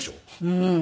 うん。